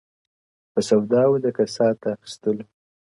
په سودا وو د کسات د اخیستلو؛